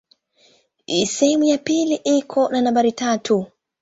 Sehemu ya pili iko na nambari tatu.